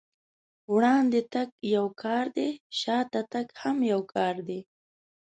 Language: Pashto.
وړاندې تګ يو کار دی، شاته تګ هم يو کار دی.